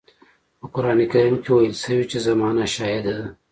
په قرآن کريم کې ويل شوي چې زمانه شاهده ده.